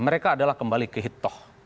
mereka adalah kembali kehitoh